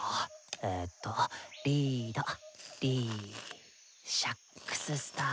えとリードリーシャックススター。